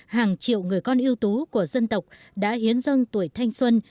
hàng triệu người con yêu tú của dân tộc đã hiến dâng tuổi thanh xuân